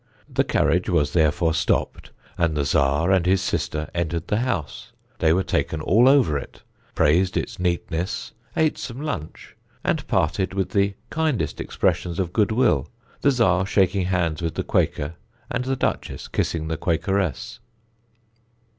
The carriage was therefore stopped, and the Czar and his sister entered the house; they were taken all over it, praised its neatness, ate some lunch, and parted with the kindest expressions of goodwill, the Czar shaking hands with the Quaker and the Duchess kissing the Quakeress.